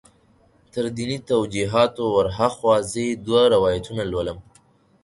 تر دیني توجیهاتو ور هاخوا زه یې دوه روایتونه لولم.